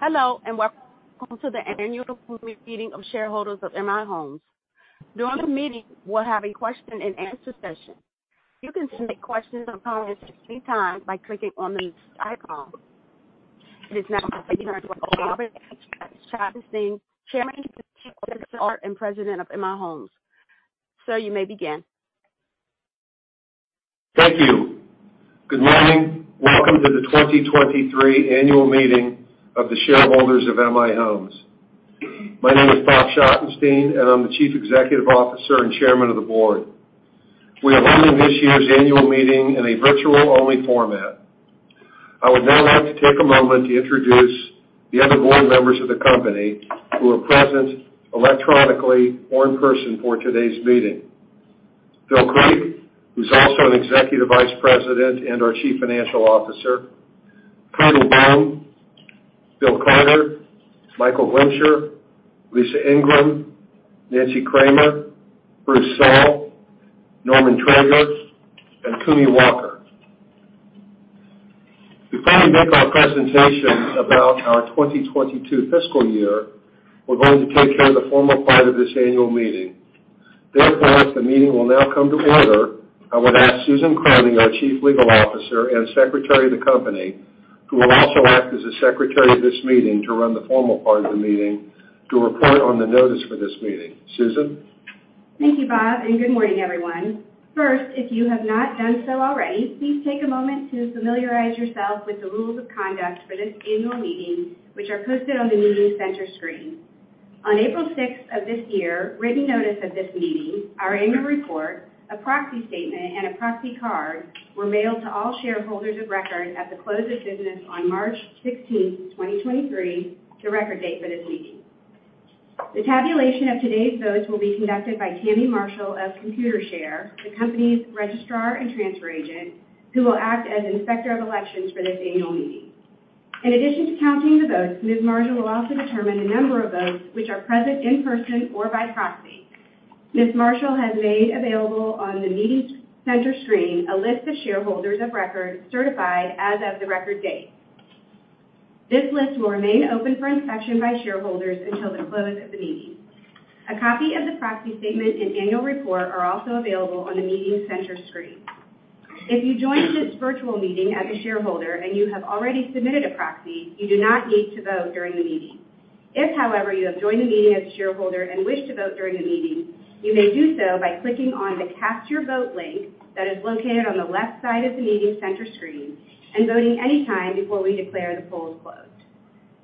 Hello, welcome to the Annual Meeting of Shareholders of M/I Homes. During the meeting, we'll have a question-and-answer session. You can submit questions or comments at any time by clicking on the icon. It is now my pleasure to welcome Robert Schottenstein, Chairman, Chief Executive Officer, and President of M/I Homes. Sir, you may begin. Thank you. Good morning. Welcome to the 2023 Annual Meeting of the Shareholders of M/I Homes. My name is Bob Schottenstein, and I'm the Chief Executive Officer and Chairman of the Board. We are holding this year's annual meeting in a virtual-only format. I would now like to take a moment to introduce the other board members of the company who are present electronically or in person for today's meeting. Phil Creek, who's also an Executive Vice President and our Chief Financial Officer, Carter Baum, Bill Carter, Michael Glimcher, Lisa Ingram, Nancy Kramer, Bruce Soll, Norman Traeger, and Kuni Walker. Before we make our presentation about our 2022 fiscal year, we're going to take care of the formal part of this annual meeting. The meeting will now come to order. I would ask Susan Krohne, our Chief Legal Officer and Secretary of the company, who will also act as the secretary of this meeting to run the formal part of the meeting to report on the notice for this meeting. Susan? Thank you, Bob. Good morning, everyone. First, if you have not done so already, please take a moment to familiarize yourself with the rules of conduct for this annual meeting, which are posted on the meeting center screen. On April 6th of this year, written notice of this meeting, our annual report, a proxy statement, and a proxy card were mailed to all shareholders of record at the close of business on March 16th, 2023, the record date for this meeting. The tabulation of today's votes will be conducted by Tammie Marshall of Computershare, the company's registrar and transfer agent, who will act as Inspector of Elections for this annual meeting. In addition to counting the votes, Ms. Marshall will also determine the number of votes which are present in person or by proxy. Ms. Marshall has made available on the meeting center screen a list of shareholders of records certified as of the record date. This list will remain open for inspection by shareholders until the close of the meeting. A copy of the proxy statement and annual report are also available on the meeting center screen. If you joined this virtual meeting as a shareholder, and you have already submitted a proxy, you do not need to vote during the meeting. If, however, you have joined the meeting as a shareholder and wish to vote during the meeting, you may do so by clicking on the Cast Your Vote link that is located on the left side of the meeting center screen and voting any time before we declare the polls closed.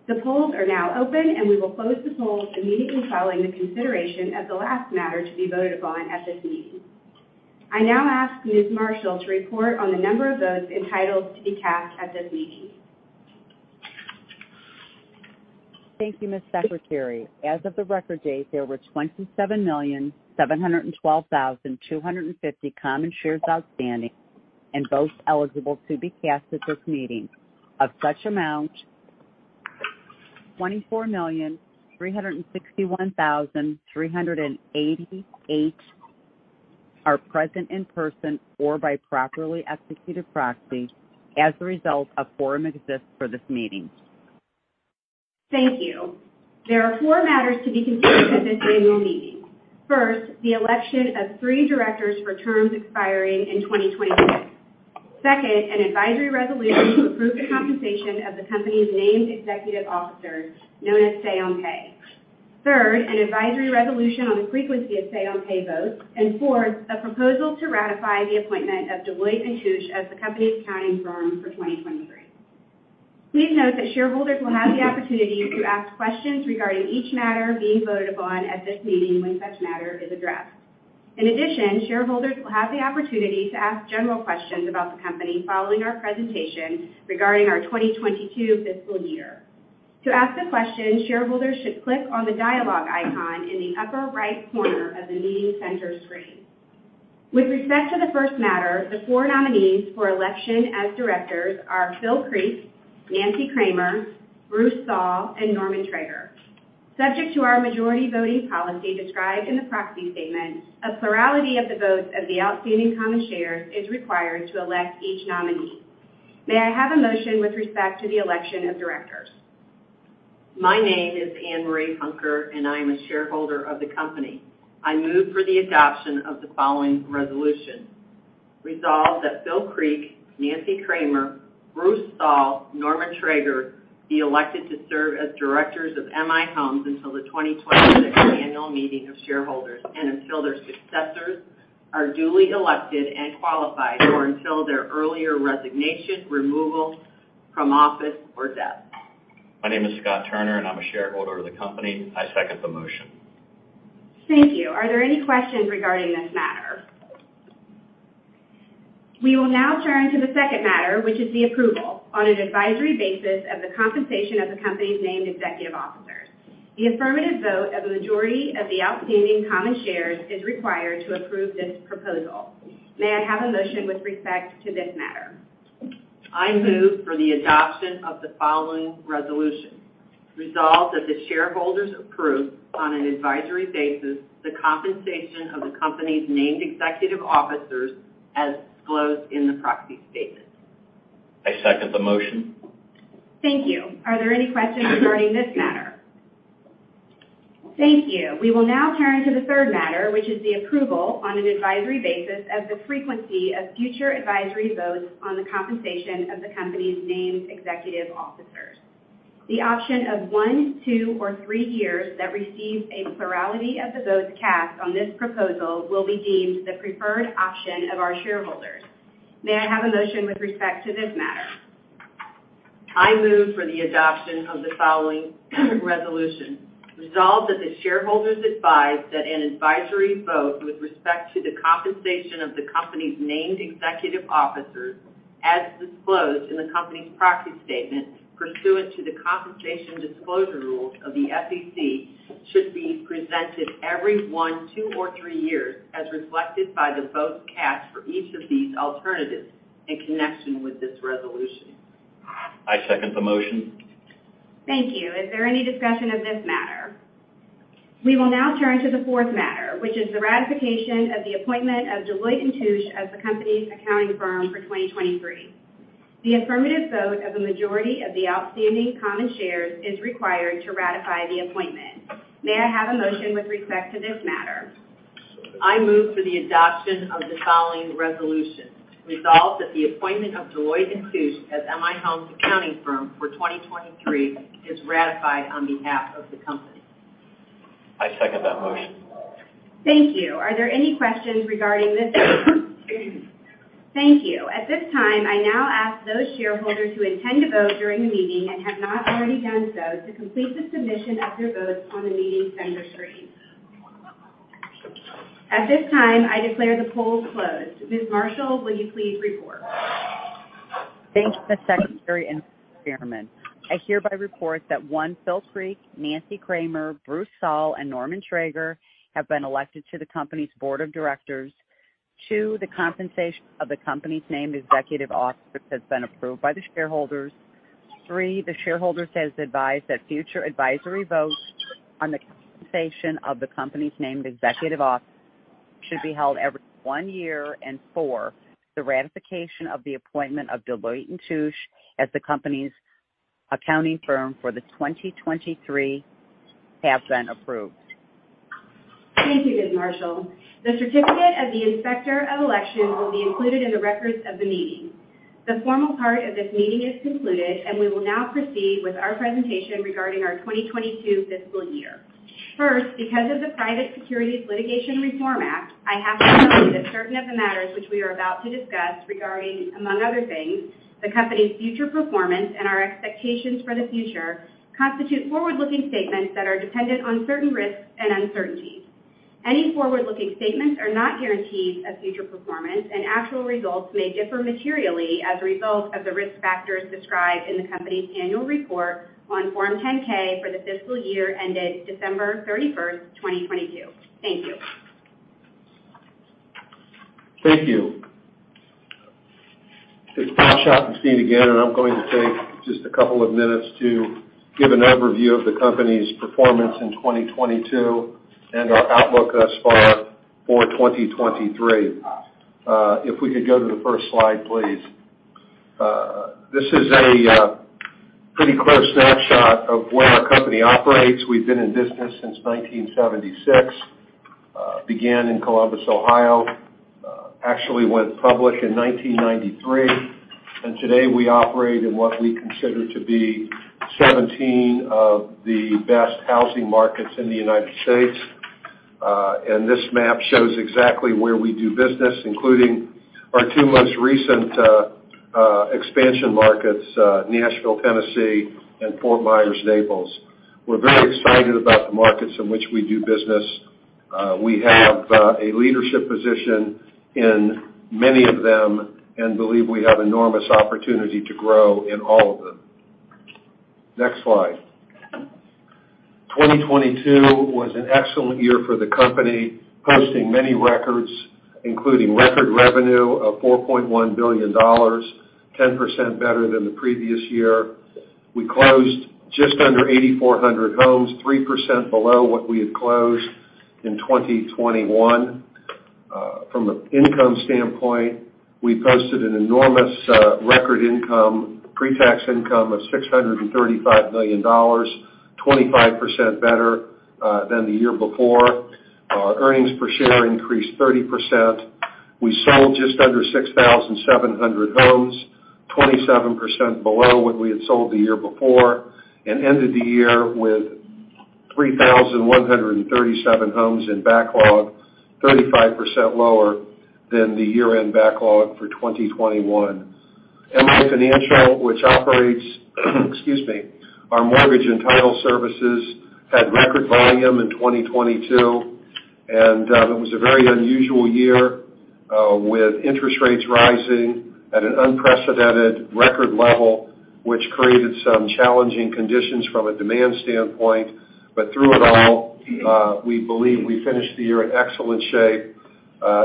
The polls are now open. We will close the polls immediately following the consideration of the last matter to be voted upon at this meeting. I now ask Ms. Marshall to report on the number of votes entitled to be cast at this meeting. Thank you, Ms. Secretary. As of the record date, there were 27,712,250 common shares outstanding and votes eligible to be cast at this meeting. Of such amount, 24,361,388 are present in person or by properly executed proxy. A forum exists for this meeting. Thank you. There are four matters to be considered at this annual meeting. First, the election of 3 directors for terms expiring in 2026. Second, an advisory resolution to approve the compensation of the company's named executive officers, known as say on pay. Third, an advisory resolution on the frequency of say on pay votes. Fourth, a proposal to ratify the appointment of Deloitte & Touche as the company's accounting firm for 2023. Please note that shareholders will have the opportunity to ask questions regarding each matter being voted upon at this meeting when such matter is addressed. In addition, shareholders will have the opportunity to ask general questions about the company following our presentation regarding our 2022 fiscal year. To ask a question, shareholders should click on the dialogue icon in the upper right corner of the meeting center screen. With respect to the first matter, the four nominees for election as directors are Phil Creek, Nancy Kramer, Bruce Soll, and Norman Traeger. Subject to our majority voting policy described in the proxy statement, a plurality of the votes of the outstanding common shares is required to elect each nominee. May I have a motion with respect to the election of directors? My name is Ann Marie Hunker, and I am a shareholder of the company. I move for the adoption of the following resolution. Resolve that Phil Creek, Nancy Kramer, Bruce Soll, Norman Traeger be elected to serve as directors of M/I Homes until the 2026 annual meeting of shareholders and until their successors are duly elected and qualified or until their earlier resignation, removal from office or death. My name is Scott Turner, and I'm a shareholder of the company. I second the motion. Thank you. Are there any questions regarding this matter? We will now turn to the second matter, which is the approval on an advisory basis of the compensation of the company's named executive officers. The affirmative vote of a majority of the outstanding common shares is required to approve this proposal. May I have a motion with respect to this matter? I move for the adoption of the following resolution. Resolve that the shareholders approve on an advisory basis the compensation of the company's named executive officers as disclosed in the proxy statement. I second the motion. Thank you. Are there any questions regarding this matter? Thank you. We will now turn to the third matter, which is the approval on an advisory basis of the frequency of future advisory votes on the compensation of the company's named executive officers. The option of one, two or three years that receives a plurality of the votes cast on this proposal will be deemed the preferred option of our shareholders. May I have a motion with respect to this matter? I move for the adoption of the following resolution. Resolve that the shareholders advise that an advisory vote with respect to the compensation of the company's named executive officers as disclosed in the company's proxy statement pursuant to the compensation disclosure rules of the SEC, should be presented every one, two or three years as reflected by the votes cast for each of these alternatives in connection with this resolution. I second the motion. Thank you. Is there any discussion of this matter? We will now turn to the fourth matter, which is the ratification of the appointment of Deloitte & Touche as the company's accounting firm for 2023. The affirmative vote of a majority of the outstanding common shares is required to ratify the appointment. May I have a motion with respect to this matter? I move for the adoption of the following resolution. Resolve that the appointment of Deloitte & Touche as M/I Homes' accounting firm for 2023 is ratified on behalf of the company. I second that motion. Thank you. Are there any questions regarding this? Thank you. At this time, I now ask those shareholders who intend to vote during the meeting and have not already done so to complete the submission of their votes on the meeting center screen. At this time, I declare the polls closed. Ms. Marshall, will you please report. Thank you, Madam Secretary and Chairman. I hereby report that one, Phil Creek, Nancy Kramer, Bruce Soll, and Norman Traeger have been elected to the company's board of directors. Two, the compensation of the company's named executive officers has been approved by the shareholders. Three, the shareholders have advised that future advisory votes on the compensation of the company's named executive officer should be held every one year. Four, the ratification of the appointment of Deloitte & Touche as the company's accounting firm for 2023 has been approved. Thank you, Ms. Marshall. The certificate of the Inspector of Elections will be included in the records of the meeting. The formal part of this meeting is concluded, and we will now proceed with our presentation regarding our 2022 fiscal year. First, because of the Private Securities Litigation Reform Act, I have to believe that certain of the matters which we are about to discuss regarding, among other things, the company's future performance and our expectations for the future constitute forward-looking statements that are dependent on certain risks and uncertainties. Any forward-looking statements are not guarantees of future performance, and actual results may differ materially as a result of the risk factors described in the company's Annual Report on Form 10-K for the fiscal year ended December 31st, 2022. Thank you. Thank you. It's Bob Schottenstein again. I'm going to take just a couple of minutes to give an overview of the company's performance in 2022 and our outlook thus far for 2023. If we could go to the first slide, please. This is a pretty close snapshot of where our company operates. We've been in business since 1976. Began in Columbus, Ohio. Actually went public in 1993. Today we operate in what we consider to be 17 of the best housing markets in the United States. This map shows exactly where we do business, including our two most recent expansion markets, Nashville, Tennessee, and Fort Myers, Naples. We're very excited about the markets in which we do business. We have a leadership position in many of them and believe we have enormous opportunity to grow in all of them. Next slide. 2022 was an excellent year for the company, posting many records, including record revenue of $4.1 billion, 10% better than the previous year. We closed just under 8,400 homes, 3% below what we had closed in 2021. From an income standpoint, we posted an enormous record income, pre-tax income of $635 million, 25% better than the year before. Earnings per share increased 30%. We sold just under 6,700 homes, 27% below what we had sold the year before, and ended the year with 3,137 homes in backlog, 35% lower than the year-end backlog for 2021. M/I Financial, which operates, excuse me, our mortgage and title services, had record volume in 2022. It was a very unusual year, with interest rates rising at an unprecedented record level, which created some challenging conditions from a demand standpoint. Through it all, we believe we finished the year in excellent shape.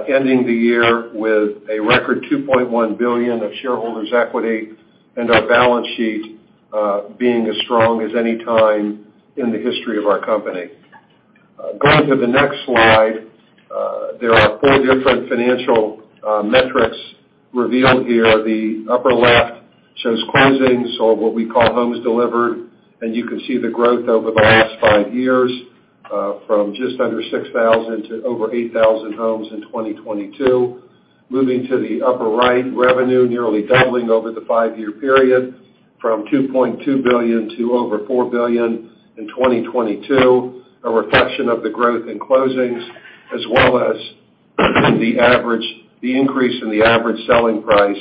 Ending the year with a record $2.1 billion of shareholders' equity and our balance sheet, being as strong as any time in the history of our company. Going to the next slide, there are four different financial metrics revealed here. The upper left shows closings or what we call homes delivered, and you can see the growth over the last five years, from just under 6,000 to over 8,000 homes in 2022. Moving to the upper right, revenue nearly doubling over the five-year period from $2.2 billion to over $4 billion in 2022, a reflection of the growth in closings as well as the increase in the average selling price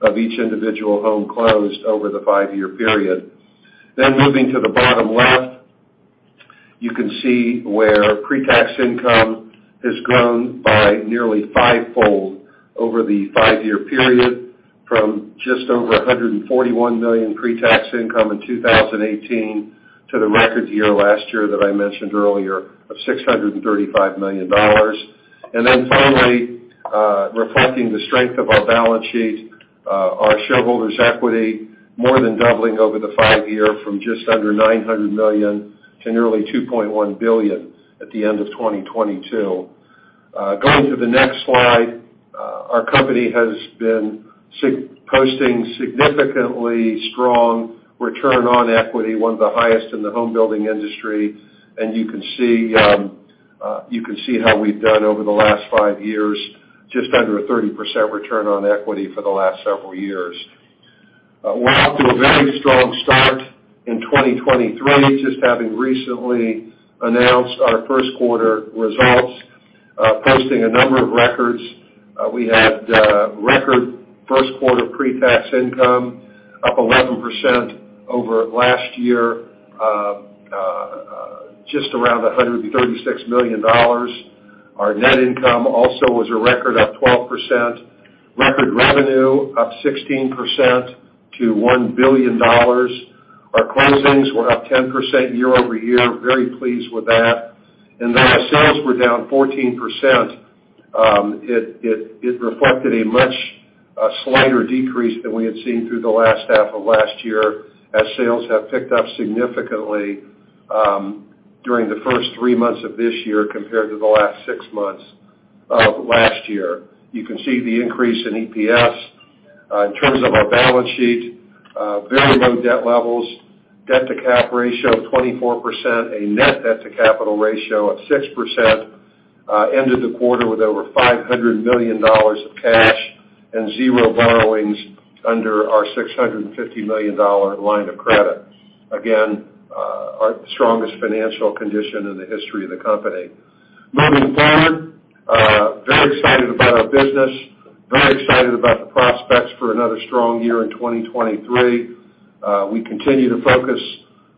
of each individual home closed over the 5-year period. Moving to the bottom left, you can see where pre-tax income has grown by nearly five-fold over the five-year period from just over $141 million pre-tax income in 2018 to the record year last year that I mentioned earlier of $635 million. Finally, reflecting the strength of our balance sheet, our shareholders' equity more than doubling over the five-year from just under $900 million to nearly $2.1 billion at the end of 2022. Going to the next slide. Our company has been posting significantly strong return on equity, one of the highest in the home building industry. You can see how we've done over the last 5 years, just under a 30% return on equity for the last several years. We're off to a very strong start in 2023, just having recently announced our first quarter results, posting a number of records. We had record first quarter pre-tax income up 11% over last year, just around $136 million. Our net income also was a record, up 12%. Record revenue, up 16% to $1 billion. Our closings were up 10% year-over-year. Very pleased with that. Though our sales were down 14%, it reflected a much slighter decrease than we had seen through the last half of last year, as sales have picked up significantly during the first three months of this year compared to the last six months of last year. You can see the increase in EPS. In terms of our balance sheet, very low debt levels. Debt-to-cap ratio of 24%, a net debt-to-capital ratio of 6%, ended the quarter with over $500 million of cash and zero borrowings under our $650 million line of credit. Again, our strongest financial condition in the history of the company. Moving forward, very excited about our business, very excited about the prospects for another strong year in 2023. We continue to focus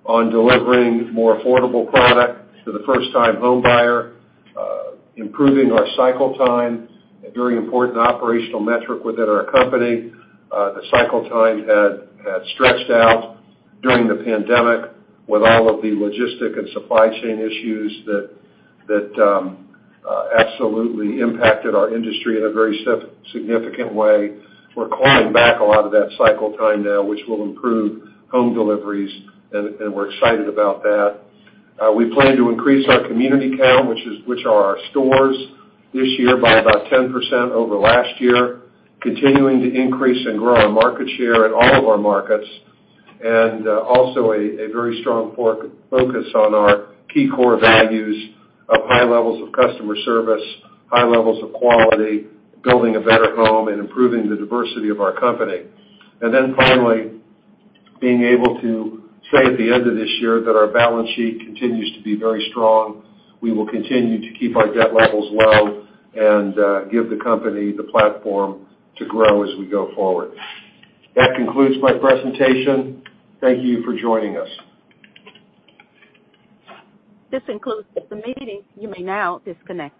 on delivering more affordable product to the first-time home buyer, improving our cycle time, a very important operational metric within our company. The cycle time had stretched out during the pandemic with all of the logistic and supply chain issues that absolutely impacted our industry in a very significant way. We're clawing back a lot of that cycle time now, which will improve home deliveries and we're excited about that. We plan to increase our community count, which are our stores this year by about 10% over last year, continuing to increase and grow our market share in all of our markets. Also a very strong focus on our key core values of high levels of customer service, high levels of quality, building a better home, and improving the diversity of our company. Finally, being able to say at the end of this year that our balance sheet continues to be very strong. We will continue to keep our debt levels low and give the company the platform to grow as we go forward. That concludes my presentation. Thank you for joining us. This concludes the meeting. You may now disconnect.